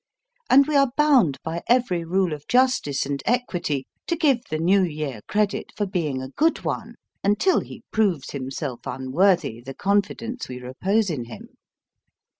And we are bound by every rule of justice and equity to give the New Year credit for being a good one, until he proves himself unworthy the confidence we repose in him.